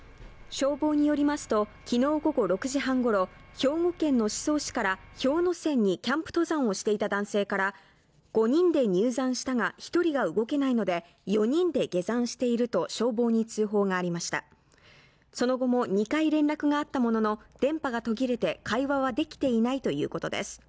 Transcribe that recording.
消防によりますときのう午後６時半ごろ兵庫県の宍粟市から氷ノ山にキャンプ登山をしていた男性から５人で入山したが一人が動けないので４人で下山していると消防に通報がありましたその後も２回連絡があったものの電波が途切れて会話はできていないということです